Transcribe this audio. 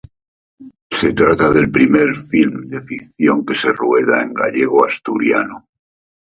Se trata del primer filme de ficción que se rueda en gallego-asturiano.